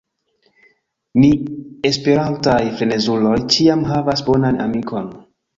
Ni esperantaj frenezuloj ĉiam havas bonan amikon.